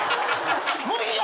もういいよ。